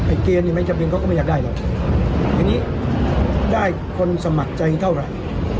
เกณฑ์นี่ไม่จำเป็นเขาก็ไม่อยากได้หรอกทีนี้ได้คนสมัครใจเท่าไหร่